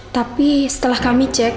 tapi setelah kami cek